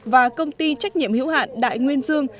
và công ty trách nhiệm hữu hạn đại nguyên dương